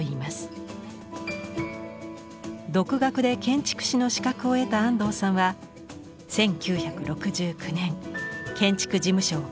独学で建築士の資格を得た安藤さんは１９６９年建築事務所を開設。